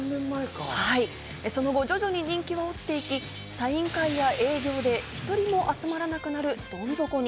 その後、徐々に人気は落ちていき、サイン会や営業で１人も集まらなくなるどん底に。